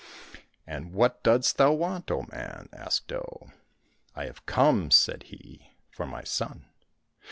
"—'' And what dost thou want, O man ?" asked Oh. —" I have come," said he, " for my son."